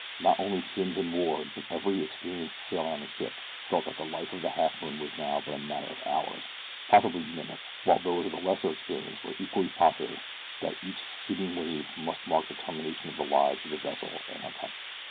Not only Simms and Ward, but every experienced sailor on the ship felt that the life of the Halfmoon was now but a matter of hours, possibly minutes, while those of lesser experience were equally positive that each succeeding wave must mark the termination of the lives of the vessel and her company.